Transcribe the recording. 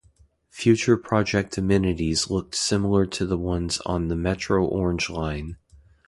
Future project amenities looked similar to the ones on the Metro Orange Line.